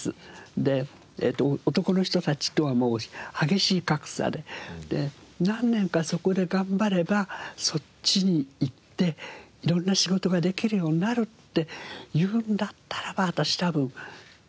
で男の人たちとはもう激しい格差で何年かそこで頑張ればそっちにいって色んな仕事ができるようになるっていうんだったらば私多分いたと思うんですよ